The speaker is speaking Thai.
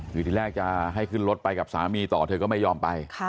คือที่แรกจะให้ขึ้นรถไปกับสามีต่อเธอก็ไม่ยอมไป